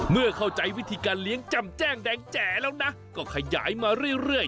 เมื่อเข้าใจวิธีการเลี้ยงจำแจ้งแดงแจ๋แล้วนะก็ขยายมาเรื่อย